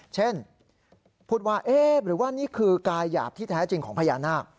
เช่นพูดว่านี้คือกายหยาบที่แท้จริงของพญานาค